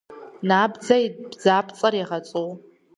Набдзэ и бдзапцӏэр егъэцӏу.